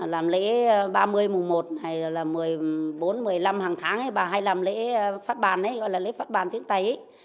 làm lễ ba mươi mùa một hay là một mươi bốn một mươi năm hàng tháng bà hay làm lễ phát bàn gọi là lễ phát bàn tiếng tây